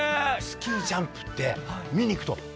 スキージャンプって見に行くと。